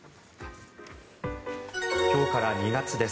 今日から２月です。